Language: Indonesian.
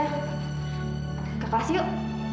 ke kelas yuk